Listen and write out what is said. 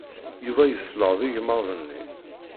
Yuba yesleḍ igmaḍ-nni.